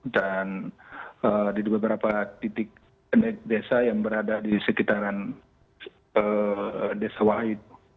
dan di beberapa titik desa yang berada di sekitaran desa sawai